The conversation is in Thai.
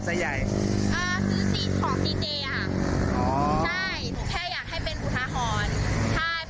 ดังนั้นข้ารู้สึกว่าเมสเก่าก็ยังถูกแบ่ง